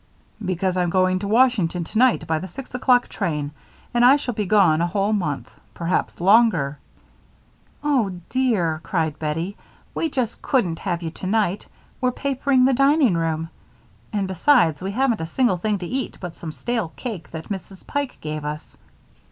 "Because I'm going to Washington tonight by the six o'clock train and I shall be gone a whole month perhaps longer." "Oh, dear," cried Bettie, "we just couldn't have you tonight. We're papering the dining room, and besides we haven't a single thing to eat but some stale cake that Mrs. Pike gave us."